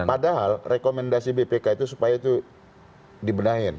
padahal rekomendasi bpk itu supaya itu dibenahin